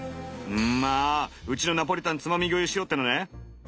んまあウチのナポリタンつまみ食いしようってのね！